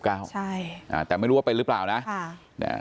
ใช่แต่ไม่รู้ว่าไปหรือเปล่านะค่ะ